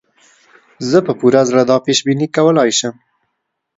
زه په پوره زړه دا پېش بیني کولای شم.